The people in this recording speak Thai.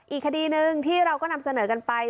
อีกคดีหนึ่งที่เราก็นำเสนอกันไป